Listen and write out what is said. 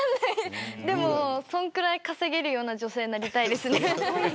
でも、そのぐらい稼げるような女性になりたいですね。